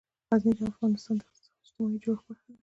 غزني د افغانستان د اجتماعي جوړښت برخه ده.